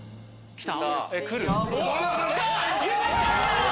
来た！